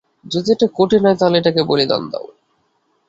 যদি এটা কঠিন হয়, তাহলে এটাকে বলিদান দাও।